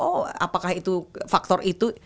oh apakah itu faktor itu